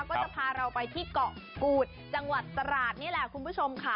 ก็จะพาเราไปที่เกาะกูดจังหวัดตราดนี่แหละคุณผู้ชมค่ะ